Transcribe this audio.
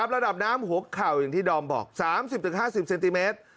ระดับน้ำหัวเข่าอย่างที่ดอมบอก๓๐๕๐เซนติเมตร